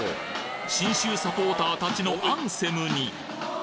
信州サポーターたちのアンセムに！